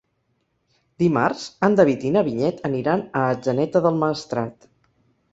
Dimarts en David i na Vinyet aniran a Atzeneta del Maestrat.